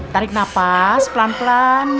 tarik nafas pelan pelan